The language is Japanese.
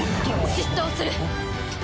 執刀する！